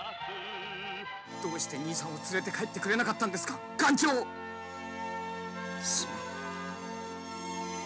どうして兄さんを連れて帰ってくれなかったんですかすまん。